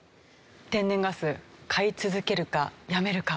天然ガス買い続けるかやめるか。